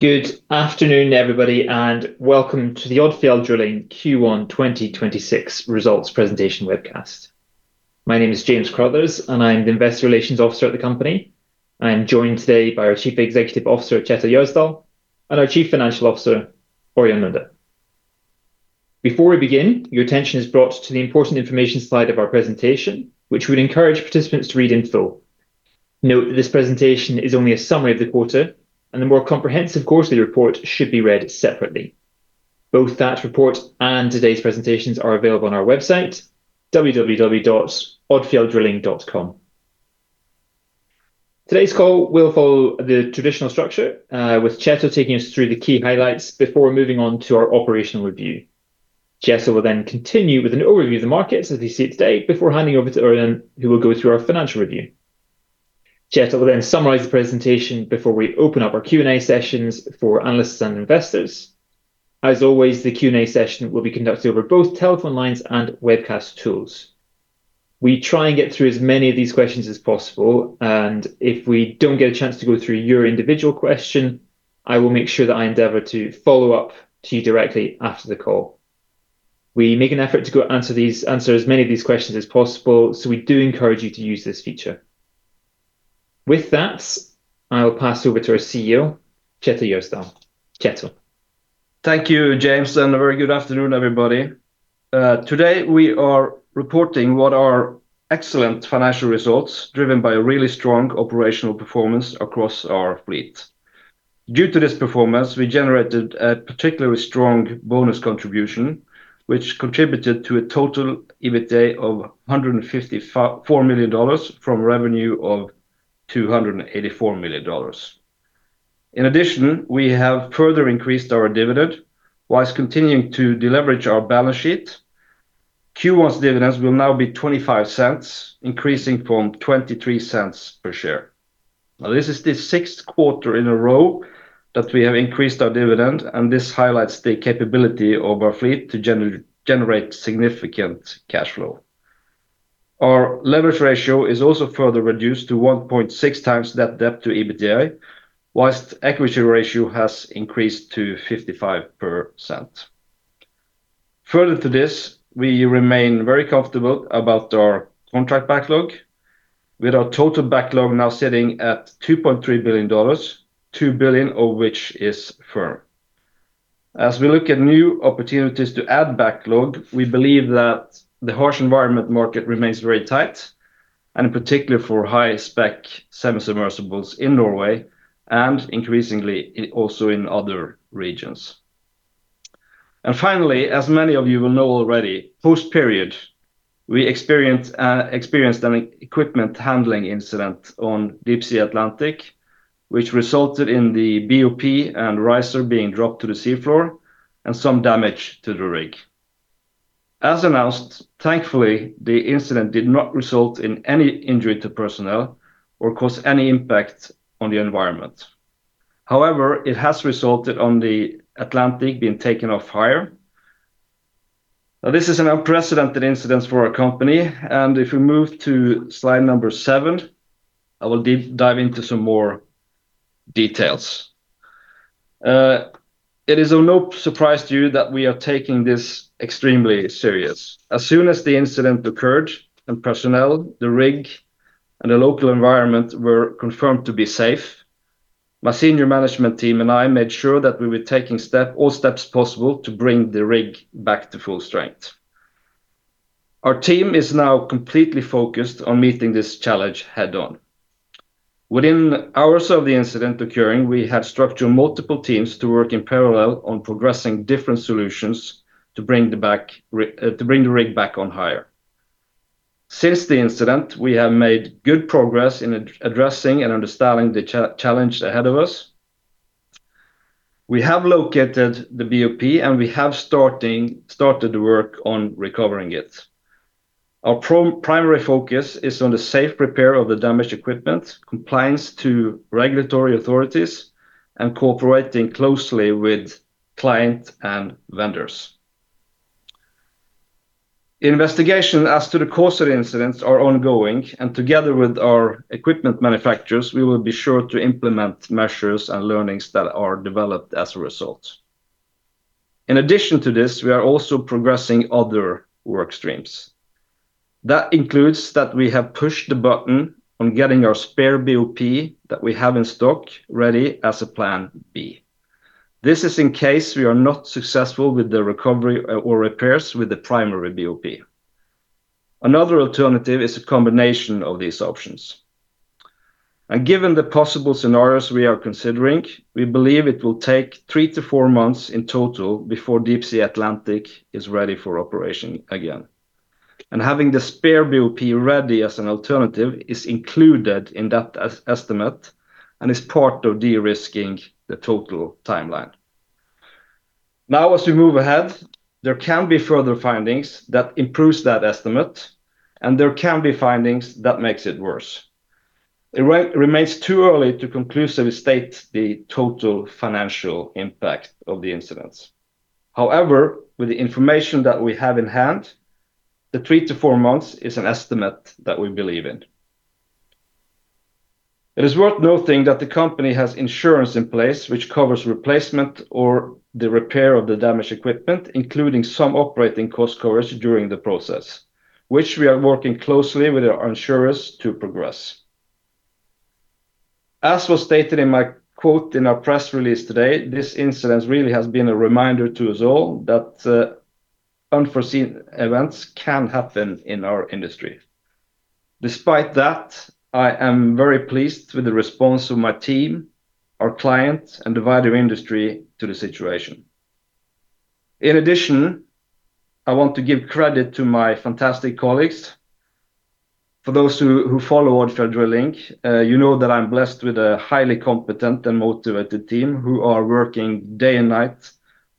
Good afternoon, everybody, and welcome to the Odfjell Drilling Q1 2026 results presentation webcast. My name is James Crothers, and I'm the investor relations officer at the company. I'm joined today by our Chief Executive Officer, Kjetil Gjersdal, and our Chief Financial Officer, Ørjan Lunde. Before we begin, your attention is brought to the important information slide of our presentation, which we'd encourage participants to read in full. Note that this presentation is only a summary of the quarter, and the more comprehensive quarterly report should be read separately. Both that report and today's presentations are available on our website www.odfjelldrilling.com. Today's call will follow the traditional structure, with Kjetil taking us through the key highlights before moving on to our operational review. Kjetil will then continue with an overview of the markets as he sees it today before handing over to Ørjan, who will go through our financial review. Kjetil will then summarize the presentation before we open up our Q&A sessions for analysts and investors. As always, the Q&A session will be conducted over both telephone lines and webcast tools. We try and get through as many of these questions as possible, and if we don't get a chance to go through your individual question, I will make sure that I endeavor to follow up to you directly after the call. We make an effort to answer as many of these questions as possible, so we do encourage you to use this feature. With that, I will pass over to our CEO, Kjetil Gjersdal. Kjetil. Thank you, James. A very good afternoon, everybody. Today we are reporting what are excellent financial results driven by a really strong operational performance across our fleet. Due to this performance, we generated a particularly strong bonus contribution, which contributed to a total EBITDA of $154 million from revenue of $284 million. In addition, we have further increased our dividend whilst continuing to deleverage our balance sheet. Q1's dividends will now be $0.25, increasing from $0.23 per share. This is the sixth quarter in a row that we have increased our dividend, and this highlights the capability of our fleet to generate significant cash flow. Our leverage ratio is also further reduced to 1.6x net debt to EBITDA, whilst equity ratio has increased to 55%. Further to this, we remain very comfortable about our contract backlog with our total backlog now sitting at $2.3 billion, $2 billion of which is firm. As we look at new opportunities to add backlog, we believe that the harsh environment market remains very tight, and in particular for high-spec semi-submersibles in Norway and increasingly also in other regions. Finally, as many of you will know already, post period, we experienced an equipment handling incident on Deepsea Atlantic, which resulted in the BOP and riser being dropped to the sea floor and some damage to the rig. As announced, thankfully, the incident did not result in any injury to personnel or cause any impact on the environment. However, it has resulted on the Atlantic being taken off-hire. This is an unprecedented incident for our company, and if we move to slide seven, I will deep dive into some more details. It is of no surprise to you that we are taking this extremely serious. As soon as the incident occurred and personnel, the rig, and the local environment were confirmed to be safe, my senior management team and I made sure that we were taking all steps possible to bring the rig back to full strength. Our team is now completely focused on meeting this challenge head-on. Within hours of the incident occurring, we had structured multiple teams to work in parallel on progressing different solutions to bring the rig back on hire. Since the incident, we have made good progress in addressing and understanding the challenge ahead of us. We have located the BOP, and we have started work on recovering it. Our primary focus is on the safe repair of the damaged equipment, compliance to regulatory authorities, and cooperating closely with client and vendors. Investigation as to the cause of the incidents are ongoing, and together with our equipment manufacturers, we will be sure to implement measures and learnings that are developed as a result. In addition to this, we are also progressing other work streams. That includes that we have pushed the button on getting our spare BOP that we have in stock ready as a plan B. This is in case we are not successful with the recovery or repairs with the primary BOP. Another alternative is a combination of these options. Given the possible scenarios we are considering, we believe it will take three to four months in total before Deepsea Atlantic is ready for operation again. Having the spare BOP ready as an alternative is included in that estimate and is part of de-risking the total timeline. As we move ahead, there can be further findings that improves that estimate, and there can be findings that makes it worse. It remains too early to conclusively state the total financial impact of the incident. However, with the information that we have in hand, the three to four months is an estimate that we believe in. It is worth noting that the company has insurance in place which covers replacement or the repair of the damaged equipment, including some operating cost coverage during the process, which we are working closely with our insurers to progress. As was stated in my quote in our press release today, this incident really has been a reminder to us all that unforeseen events can happen in our industry. Despite that, I am very pleased with the response of my team, our clients, and the wider industry to the situation. In addition, I want to give credit to my fantastic colleagues. For those who follow Odfjell Drilling, you know that I'm blessed with a highly competent and motivated team who are working day and night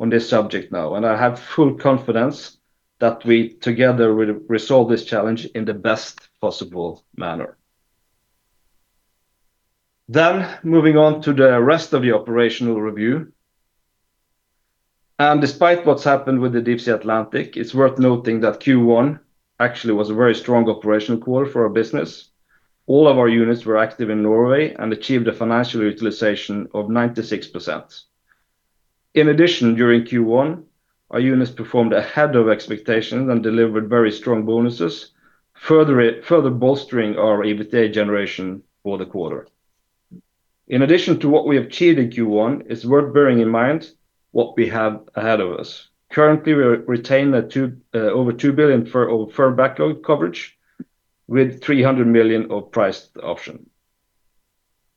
on this subject now. I have full confidence that we together will resolve this challenge in the best possible manner. Moving on to the rest of the operational review. Despite what's happened with the Deepsea Atlantic, it's worth noting that Q1 actually was a very strong operational quarter for our business. All of our units were active in Norway and achieved a financial utilization of 96%. In addition, during Q1, our units performed ahead of expectations and delivered very strong bonuses, further bolstering our EBITDA generation for the quarter. In addition to what we achieved in Q1, it's worth bearing in mind what we have ahead of us. Currently, we retain over $2 billion firm backlog coverage with $300 million of priced option.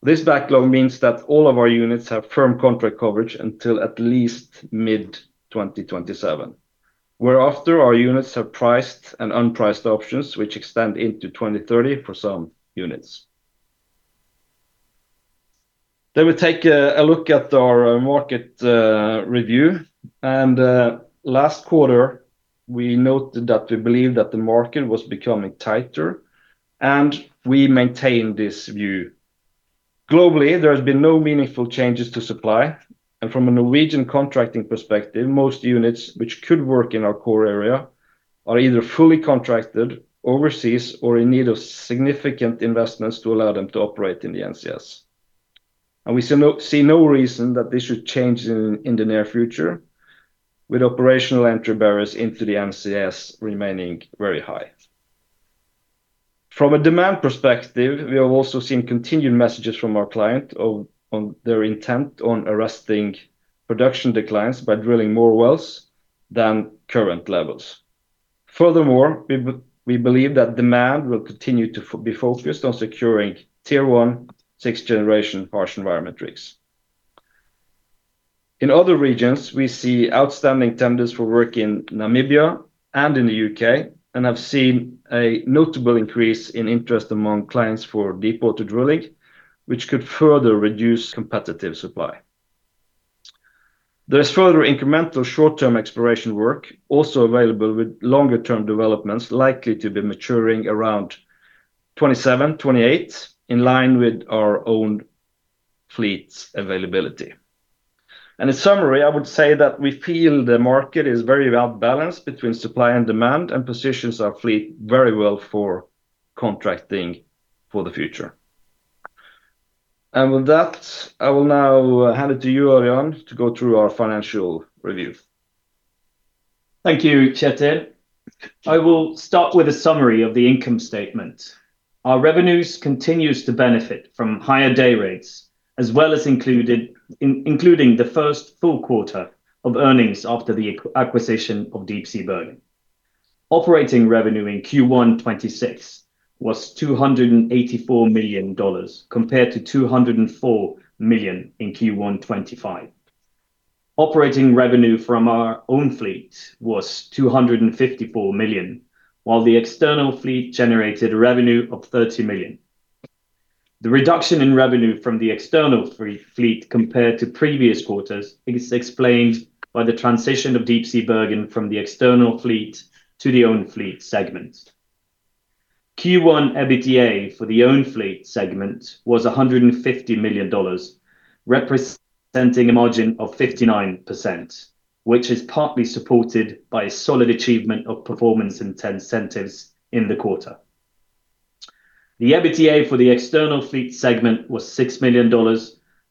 This backlog means that all of our units have firm contract coverage until at least mid-2027, whereafter our units have priced and unpriced options which extend into 2030 for some units. We take a look at our market review. Last quarter we noted that we believe that the market was becoming tighter, and we maintain this view. Globally, there has been no meaningful changes to supply, and from a Norwegian contracting perspective, most units which could work in our core area are either fully contracted overseas or in need of significant investments to allow them to operate in the NCS. We see no reason that this should change in the near future, with operational entry barriers into the NCS remaining very high. From a demand perspective, we have also seen continued messages from our client on their intent on arresting production declines by drilling more wells than current levels. Furthermore, we believe that demand will continue to be focused on securing Tier 1 sixth generation harsh environment rigs. In other regions, we see outstanding tenders for work in Namibia and in the U.K., have seen a notable increase in interest among clients for deepwater drilling, which could further reduce competitive supply. There is further incremental short-term exploration work also available with longer term developments likely to be maturing around 2027, 2028 in line with our own fleet's availability. In summary, I would say that we feel the market is very well balanced between supply and demand and positions our fleet very well for contracting for the future. With that, I will now hand it to you, Ørjan, to go through our financial review. Thank you, Kjetil. I will start with a summary of the income statement. Our revenues continues to benefit from higher day rates, as well as including the first full quarter of earnings after the acquisition of Deepsea Bergen. Operating revenue in Q1 2026 was $284 million compared to $204 million in Q1 2025. Operating revenue from our own fleet was $254 million, while the external fleet generated revenue of $30 million. The reduction in revenue from the external fleet compared to previous quarters is explained by the transition of Deepsea Bergen from the external fleet to the own fleet segment. Q1 EBITDA for the own fleet segment was $150 million, representing a margin of 59%, which is partly supported by a solid achievement of performance incentives in the quarter. The EBITDA for the external fleet segment was $6 million,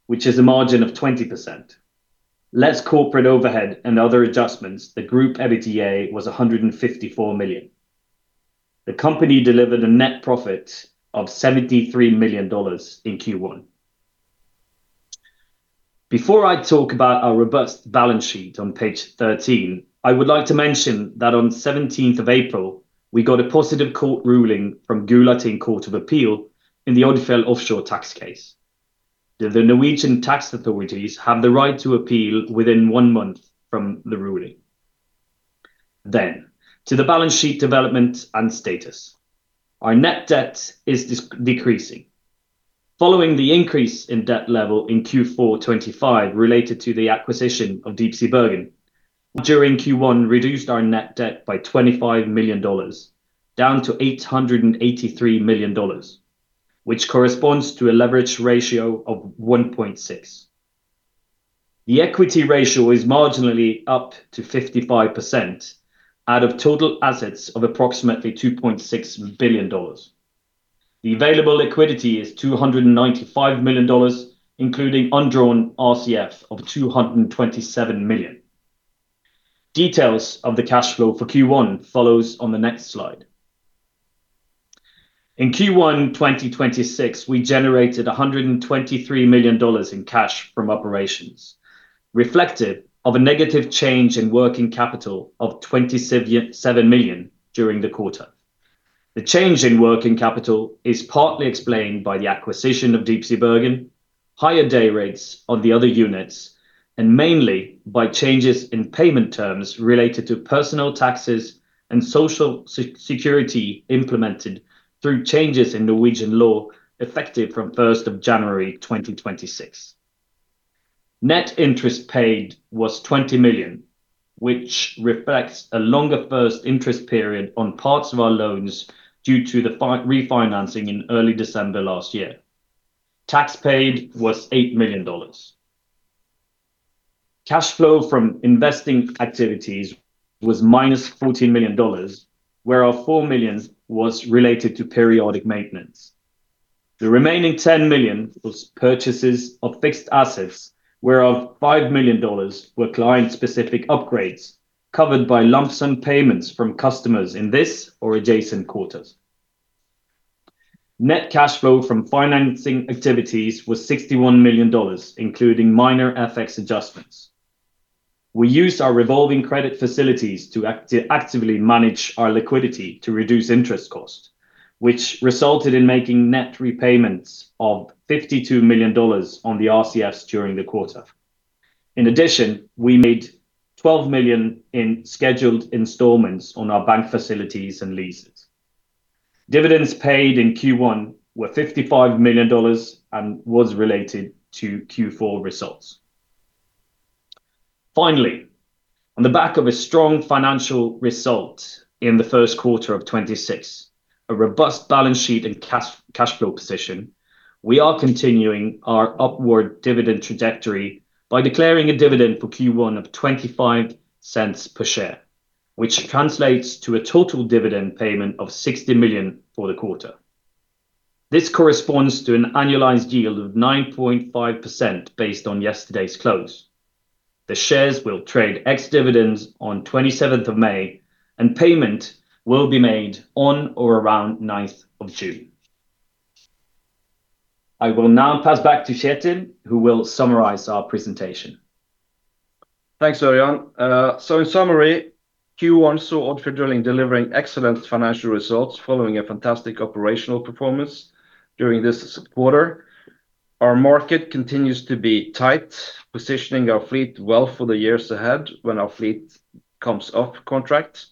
which is a margin of 20%. Less corporate overhead and other adjustments, the group EBITDA was $154 million. The company delivered a net profit of $73 million in Q1. Before I talk about our robust balance sheet on page 13, I would like to mention that on 17th of April, we got a positive court ruling from Gulating Court of Appeal in the Odfjell Offshore tax case. The Norwegian tax authorities have the right to appeal within one month from the ruling. To the balance sheet development and status. Our net debt is decreasing. Following the increase in debt level in Q4 2025 related to the acquisition of Deepsea Bergen, during Q1 reduced our net debt by $25 million, down to $883 million, which corresponds to a leverage ratio of 1.6x. The equity ratio is marginally up to 55% out of total assets of approximately $2.6 billion. The available liquidity is $295 million, including undrawn RCF of $227 million. Details of the cash flow for Q1 follows on the next slide. In Q1 2026, we generated $123 million in cash from operations, reflective of a negative change in working capital of $27.7 million during the quarter. The change in working capital is partly explained by the acquisition of Deepsea Bergen, higher day rates on the other units, and mainly by changes in payment terms related to personal taxes and Social Security implemented through changes in Norwegian law effective from 1st of January 2026. Net interest paid was $20 million, which reflects a longer first interest period on parts of our loans due to the refinancing in early December last year. Tax paid was $8 million. Cash flow from investing activities was -$14 million, whereof $4 million was related to periodic maintenance. The remaining $10 million was purchases of fixed assets, whereof $5 million were client-specific upgrades covered by lump sum payments from customers in this or adjacent quarters. Net cash flow from financing activities was $61 million, including minor FX adjustments. We use our revolving credit facilities to actively manage our liquidity to reduce interest cost, which resulted in making net repayments of $52 million on the RCFs during the quarter. We made $12 million in scheduled installments on our bank facilities and leases. Dividends paid in Q1 were $55 million and was related to Q4 results. On the back of a strong financial result in the first quarter of 2026, a robust balance sheet and cash flow position, we are continuing our upward dividend trajectory by declaring a dividend for Q1 of $0.25 per share, which translates to a total dividend payment of $60 million for the quarter. This corresponds to an annualized yield of 9.5% based on yesterday's close. The shares will trade ex-dividend on 27th of May. Payment will be made on or around 9th of June. I will now pass back to Kjetil who will summarize our presentation. Thanks, Ørjan. In summary, Q1 saw Odfjell Drilling delivering excellent financial results following a fantastic operational performance during this quarter. Our market continues to be tight, positioning our fleet well for the years ahead when our fleet comes off contract.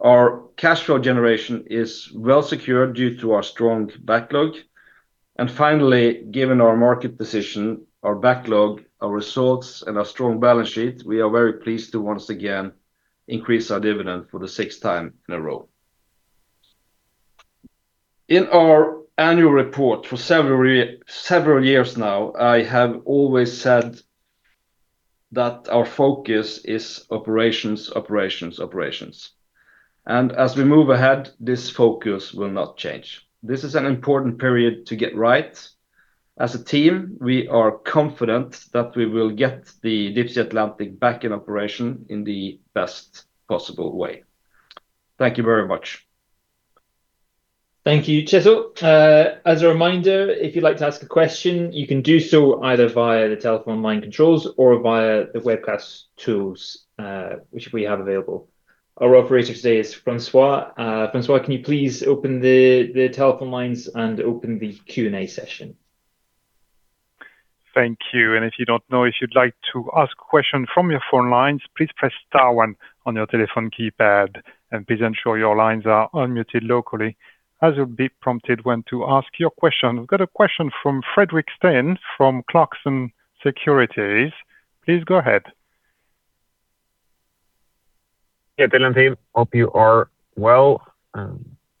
Our cash flow generation is well secured due to our strong backlog. Finally, given our market position, our backlog, our results, and our strong balance sheet, we are very pleased to once again increase our dividend for the sixth time in a row. In our annual report for several years now, I have always said that our focus is operations, operations. As we move ahead, this focus will not change. This is an important period to get right. As a team, we are confident that we will get the Deepsea Atlantic back in operation in the best possible way. Thank you very much. Thank you, Kjetil. As a reminder, if you'd like to ask a question, you can do so either via the telephone line controls or via the webcast tools, which we have available. Our operator today is Francois. Francois, can you please open the telephone lines and open the Q&A session? Thank you. If you don't know, if you'd like to ask question from your phone lines, please press star one on your telephone keypad and please ensure your lines are unmuted locally as you'll be prompted when to ask your question. We've got a question from Fredrik Stene from Clarksons Securities. Please go ahead. Kjetil and team, hope you are well.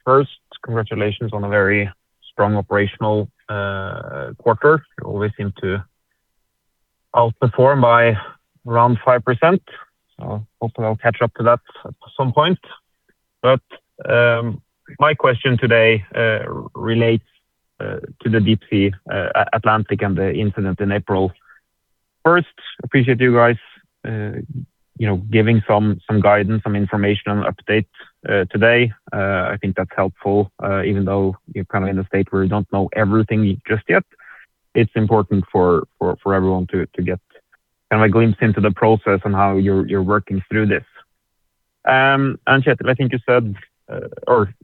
First, congratulations on a very strong operational quarter. You always seem to outperform by around 5%. Hopefully, I'll catch up to that at some point. My question today relates to the Deepsea Atlantic and the incident in April. First, appreciate you guys, you know, giving some guidance, some information on updates today. I think that's helpful, even though you're kind of in a state where you don't know everything just yet. It's important for everyone to get kind of a glimpse into the process on how you're working through this. Kjetil, I think you said or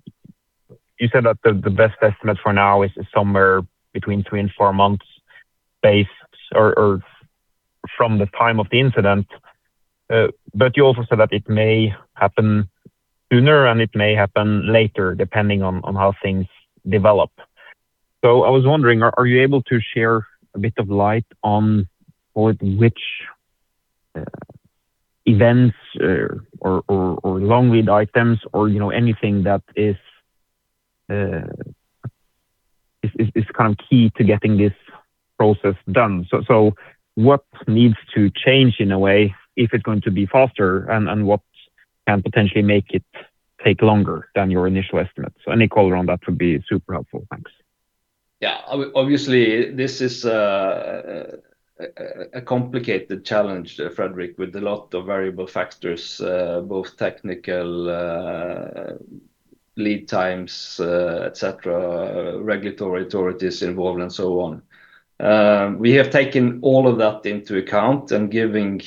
you said that the best estimate for now is somewhere between two and four months based or from the time of the incident. You also said that it may happen sooner, and it may happen later, depending on how things develop. I was wondering, are you able to share a bit of light on which events or long lead items or, you know, anything that is kind of key to getting this process done. What needs to change in a way if it's going to be faster and what can potentially make it take longer than your initial estimate? Any color on that would be super helpful. Thanks. Obviously, this is a complicated challenge, Fredrik, with a lot of variable factors, both technical, lead times, et cetera, regulatory authorities involved and so on. We have taken all of that into account and giving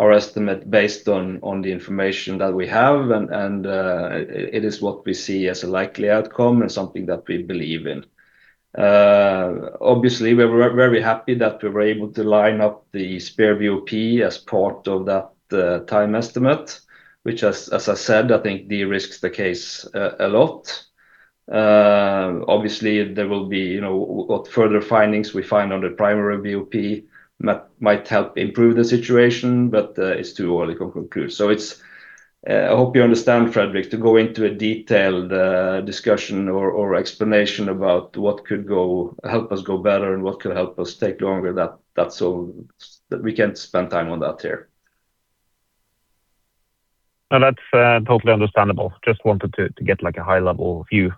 our estimate based on the information that we have and it is what we see as a likely outcome and something that we believe in. Obviously, we're very happy that we were able to line up the spare BOP as part of that time estimate, which as I said, I think de-risks the case a lot. Obviously, there will be, you know, what further findings we find on the primary BOP might help improve the situation, it's too early to conclude. It's I hope you understand, Fredrik, to go into a detailed discussion or explanation about what could help us go better and what could help us take longer. That's all, we can't spend time on that here. No, that's totally understandable. Just wanted to get like a high level view.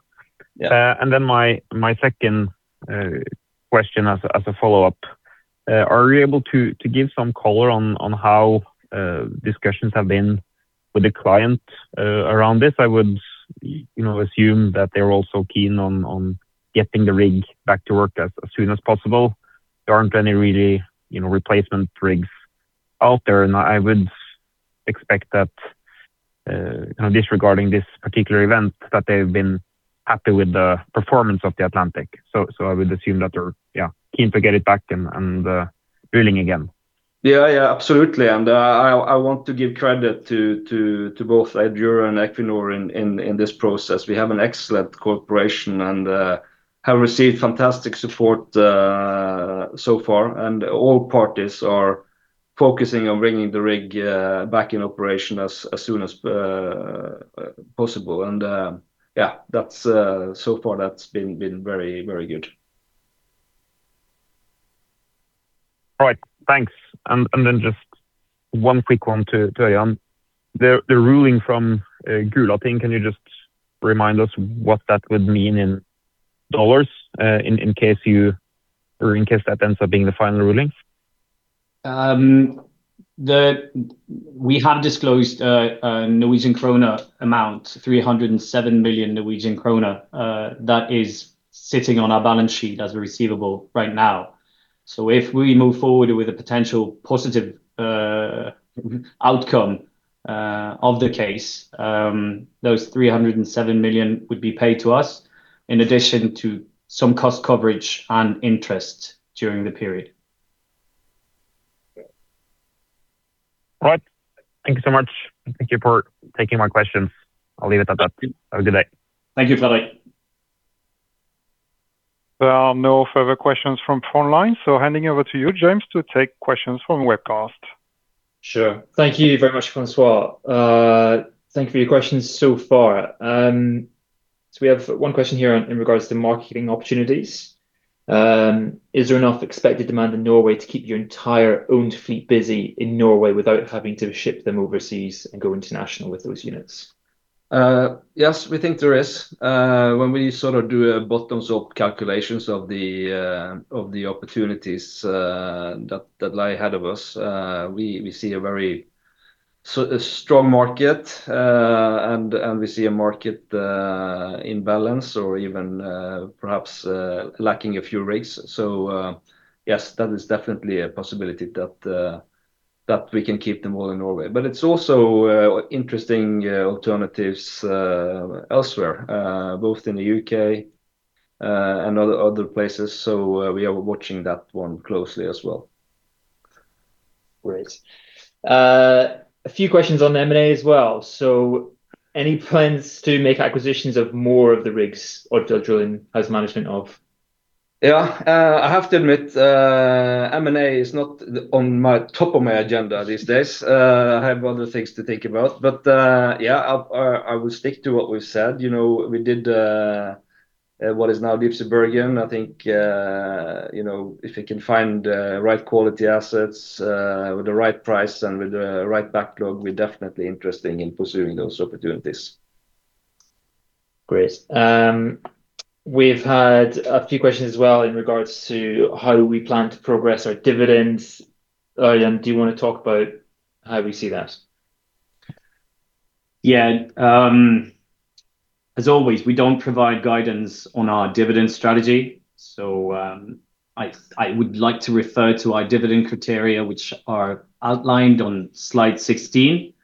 Yeah. Then my second question as a follow-up, are you able to give some color on how discussions have been with the client around this? I would, you know, assume that they're also keen on getting the rig back to work as soon as possible. There aren't any really, you know, replacement rigs out there, and I would expect that, you know, disregarding this particular event, that they've been happy with the performance of the Deepsea Atlantic. I would assume that they're keen to get it back and drilling again. Yeah, yeah, absolutely. I want to give credit to both Aker BP and Equinor in this process. We have an excellent cooperation and have received fantastic support so far. All parties are focusing on bringing the rig back in operation as soon as possible. Yeah, that's so far that's been very good. All right. Thanks. Just one quick one to Ørjan. The ruling from Gulating, can you just remind us what that would mean in dollars in case that ends up being the final ruling? We have disclosed a Norwegian kroner amount, 307 million Norwegian krone, that is sitting on our balance sheet as a receivable right now. If we move forward with a potential positive outcome of the case, those 307 million would be paid to us in addition to some cost coverage and interest during the period. All right. Thank you so much. Thank you for taking my questions. I'll leave it at that. Have a good day. Thank you, Fredrik. There are no further questions from phone line. Handing over to you, James, to take questions from webcast. Sure. Thank you very much, Francois. Thank you for your questions so far. We have one question here in regards to marketing opportunities. Is there enough expected demand in Norway to keep your entire owned fleet busy in Norway without having to ship them overseas and go international with those units? Yes, we think there is. When we sort of do a bottoms-up calculations of the opportunities that lie ahead of us, we see a very strong market, and we see a market imbalance or even perhaps lacking a few rigs. Yes, that is definitely a possibility that we can keep them all in Norway. It's also interesting alternatives elsewhere, both in the U.K. and other places. We are watching that one closely as well. Great. A few questions on M&A as well. Any plans to make acquisitions of more of the rigs or drilling as management of? Yeah. I have to admit, M&A is not on my top of my agenda these days. I have other things to think about. Yeah, I will stick to what we've said. You know, we did what is now Deepsea Bergen. I think, you know, if we can find the right quality assets, with the right price and with the right backlog, we're definitely interested in pursuing those opportunities. Great. We've had a few questions as well in regards to how we plan to progress our dividends. Ørjan, do you wanna talk about how we see that? Yeah. As always, we don't provide guidance on our dividend strategy. I would like to refer to our dividend criteria, which are outlined on slide 16,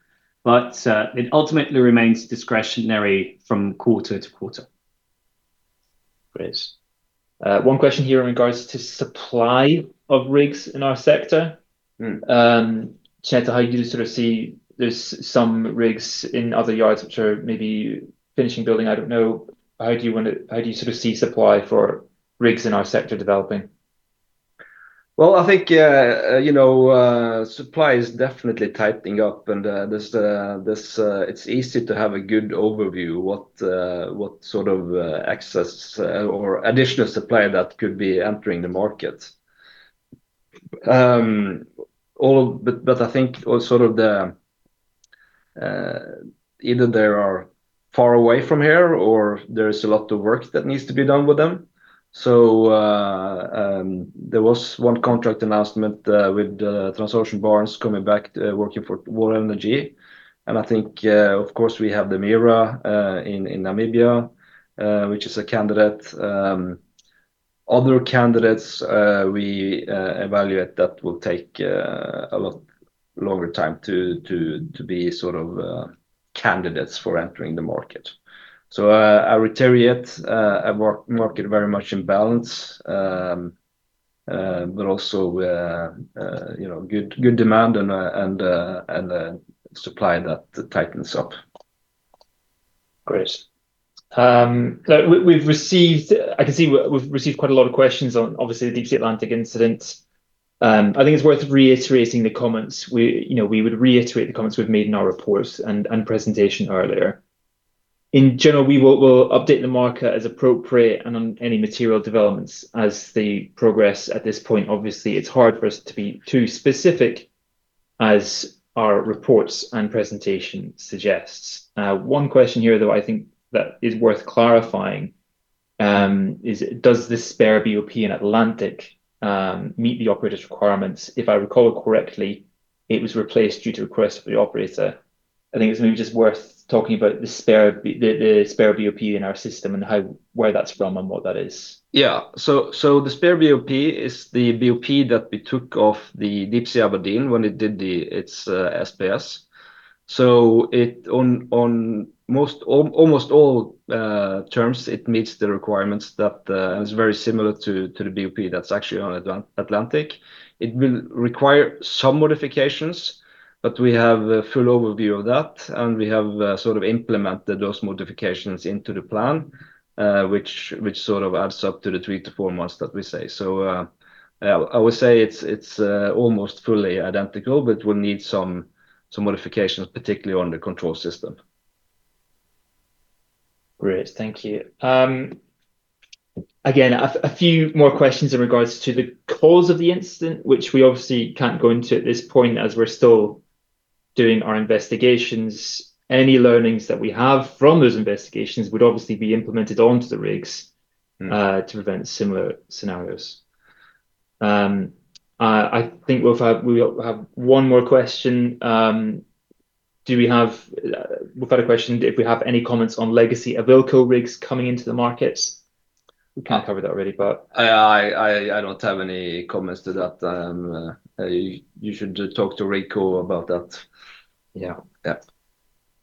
but it ultimately remains discretionary from quarter to quarter. Great. One question here in regards to supply of rigs in our sector. Kjetil, how you sort of see there's some rigs in other yards which are maybe finishing building, I don't know. How do you sort of see supply for rigs in our sector developing? I think, you know, supply is definitely tightening up and this, it's easy to have a good overview what sort of excess or additional supply that could be entering the market. I think all, sort of, the, either they are far away from here or there is a lot of work that needs to be done with them. There was one contract announcement with Transocean Barents coming back working for Vår Energi. I think, of course we have the Mira in Namibia, which is a candidate. Other candidates, we evaluate that will take a lot longer time to be, sort of, candidates for entering the market. I reiterate, a market very much in balance. Also, you know, good demand and supply that tightens up. Great. We've received I can see we've received quite a lot of questions on obviously the Deepsea Atlantic incident. I think it's worth reiterating the comments. You know, we would reiterate the comments we've made in our report and presentation earlier. In general, we'll update the market as appropriate and on any material developments as they progress. At this point, obviously it's hard for us to be too specific as our reports and presentation suggests. One question here though, I think that is worth clarifying, is does the spare BOP in Atlantic meet the operator's requirements? If I recall correctly, it was replaced due to request of the operator. I think it's maybe just worth talking about the spare BOP in our system and how, where that's from and what that is. The spare BOP is the BOP that we took off the Deepsea Aberdeen when it did its SPS. It, on most, almost all terms it meets the requirements that and it's very similar to the BOP that's actually on Deepsea Atlantic. It will require some modifications, but we have a full overview of that and we have sort of implemented those modifications into the plan, which sort of adds up to the three to four months that we say. Yeah, I would say it's almost fully identical, but will need some modifications particularly on the control system. Great. Thank you. Again, a few more questions in regards to the cause of the incident, which we obviously can't go into at this point as we're still doing our investigations. Any learnings that we have from those investigations would obviously be implemented onto the rigs to prevent similar scenarios. I think we have one more question. We've had a question if we have any comments on legacy Awilco rigs coming into the markets. We can't cover that really. I don't have any comments to that. You should talk to RigCo about that. Yeah. Yeah.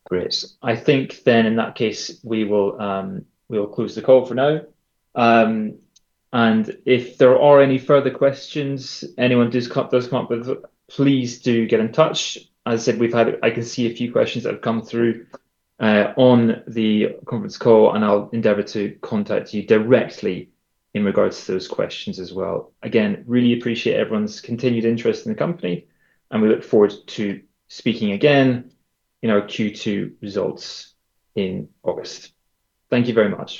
Great. I think in that case we will, we'll close the call for now. If there are any further questions anyone does come up with, please do get in touch. As I said, we've had, I can see a few questions that have come through on the conference call, and I'll endeavor to contact you directly in regards to those questions as well. Really appreciate everyone's continued interest in the company, and we look forward to speaking again in our Q2 results in August. Thank you very much.